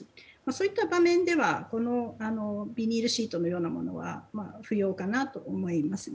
そういった場面ではビニールシートのようなものは不要かなと思います。